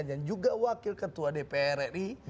dan yang juga wakil ketua dpr ri